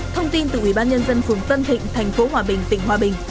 thông tin từ ủy ban nhân dân phường tân thịnh thành phố hòa bình tỉnh hòa bình